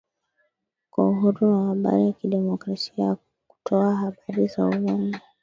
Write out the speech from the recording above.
kwa uhuru wa habari na demokrasia kwa kutoa habari za uongo